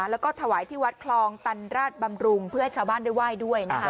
แล้วก็ถวายที่วัดคลองตันราชบำรุงเพื่อให้ชาวบ้านได้ไหว้ด้วยนะคะ